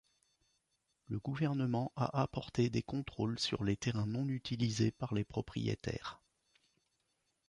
Le gouvernement a apporté des contrôles sur les terrains non utilisés par les propriétaires.